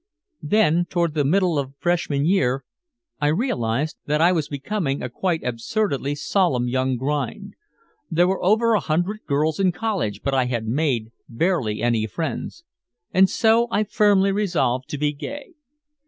"Then toward the middle of Freshman year I realized that I was becoming a quite absurdly solemn young grind. There were over a hundred girls in college but I had made barely any friends. And so I firmly resolved to be gay.